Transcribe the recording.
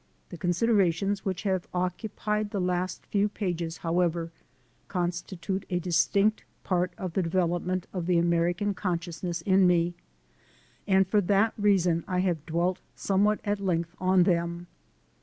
The considerations which have occupied the last few pages, how ever, constitute a distinct part of the development of the American consciousness in me, and for that reason I have dwelt somewhat at length on them.